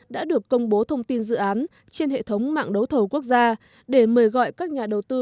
đã được công bố thông tin dự án trên hệ thống mạng đấu thầu quốc gia để mời gọi các nhà đầu tư